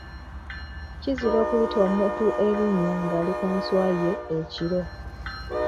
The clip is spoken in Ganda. Kizira okuyita omuntu erinnya ng’ali ku nswa ye ekiro.